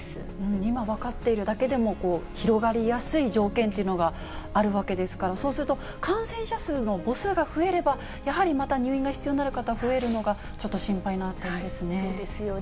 今、分かっているだけでも、広がりやすい条件というのがあるわけですから、そうすると、感染者数の母数が増えれば、やはりまた入院が必要になる方、増えるのがちょっと心配な点ですね。